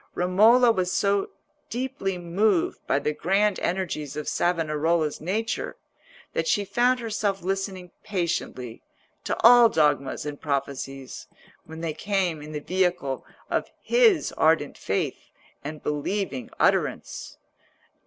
Romola was so deeply moved by the grand energies of Savonarola's nature, that she found herself listening patiently to all dogmas and prophecies, when they came in the vehicle of his ardent faith and believing utterance.